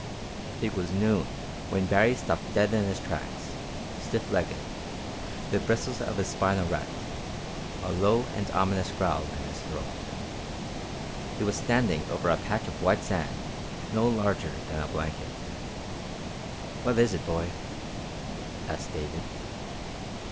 It was noon when Baree stopped dead in his tracks, stiff legged, the bristles of his spine erect, a low and ominous growl in his throat. He was standing over a patch of white sand no larger than a blanket. "What is it, boy?" asked David.